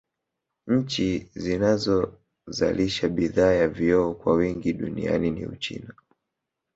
Nchi zinazozalisha bidhaa ya vioo kwa wingi duniani ni Uchina